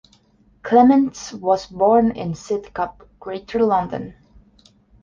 Clements was born in Sidcup, Greater London.